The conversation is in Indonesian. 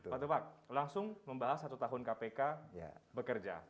pak tupak langsung membahas satu tahun kpk bekerja